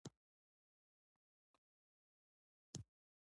د کمپیوټر سرعت د معلوماتو د پروسس بنسټ دی.